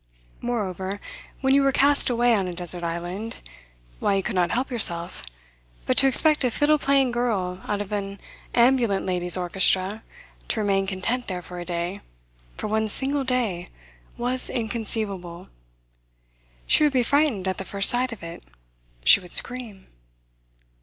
Moreover, when you were cast away on a desert island why, you could not help yourself; but to expect a fiddle playing girl out of an ambulant ladies' orchestra to remain content there for a day, for one single day, was inconceivable. She would be frightened at the first sight of it. She would scream.